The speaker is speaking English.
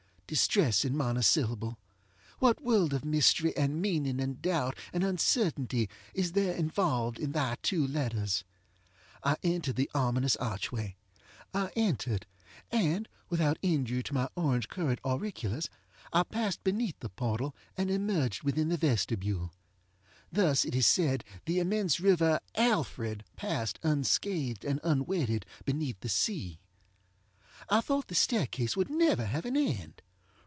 Distressing monosyllable! what world of mystery, and meaning, and doubt, and uncertainty is there involved in thy two letters! I entered the ominous archway! I entered; and, without injury to my orange colored auriculas, I passed beneath the portal, and emerged within the vestibule. Thus it is said the immense river Alfred passed, unscathed, and unwetted, beneath the sea. I thought the staircase would never have an end.